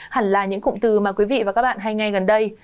hẳn là những cụm từ mà quý vị và các bạn hay nghe gần đây